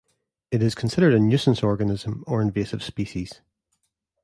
It is considered a nuisance organism or invasive species.